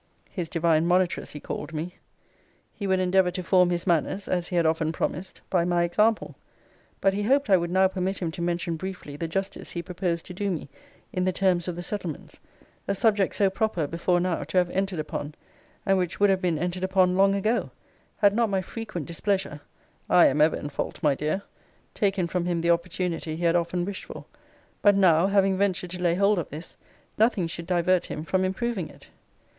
His divine monitress, he called me. He would endeavour to form his manners (as he had often promised) by my example. But he hoped I would now permit him to mention briefly the justice he proposed to do me, in the terms of the settlements; a subject so proper, before now, to have entered upon; and which would have been entered upon long ago, had not my frequent displeasure [I am ever in fault, my dear!] taken from him the opportunity he had often wished for: but now, having ventured to lay hold of this, nothing should divert him from improving it.